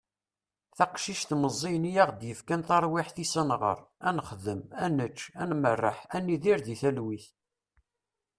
taqcict meẓẓiyen i aɣ-d-yefkan taṛwiḥt-is ad nɣeṛ, ad nexdem, ad nečč, ad merreḥ, ad nidir di talwit